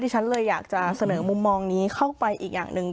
ฉันเลยอยากจะเสนอมุมมองนี้เข้าไปอีกอย่างหนึ่ง